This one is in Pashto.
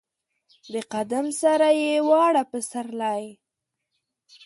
د قدم سره یې واړه پسرلي